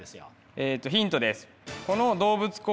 えとヒントです。